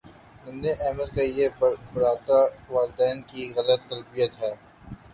ننھے احمد کا یہ برتا والدین کی غلط تربیت ہے